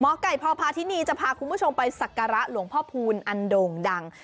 ไก่พอพาทินีจะพาคุณผู้ชมไปสักการะหลวงพ่อพูลอันโด่งดัง